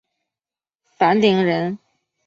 樊陵人。